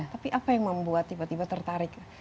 tapi apa yang membuat tiba tiba tertarik lah